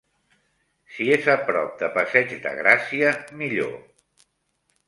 Si és aprop de Passeig de gràcia, millor.